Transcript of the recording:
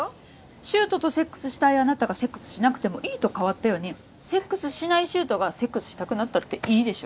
柊人とセックスしたいあなたがセックスしなくてもいいと変わったようにセックスしない柊人がセックスしたくなったっていいでしょ